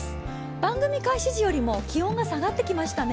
番組開始時より、気温が寒くなってきましたね。